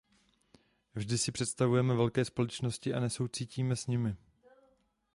Vždy si představujeme velké společnosti a nesoucítíme s nimi.